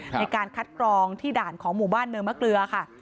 ในการคัดกรองที่ด่านของหมู่บ้านเนินมะเกลือค่ะ